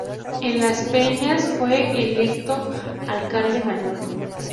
En las Peña fue electo alcalde mayor.